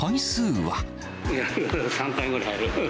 ３回ぐらい入る。